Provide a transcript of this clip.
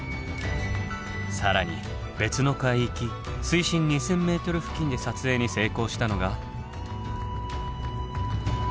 更に別の海域水深２，０００ｍ付近で撮影に成功したのが。